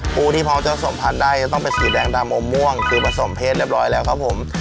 ปูที่พอจะสัมผัสได้จะต้องเป็นสีแดงดำอมม่วงคือผสมเพศเรียบร้อยแล้วครับผม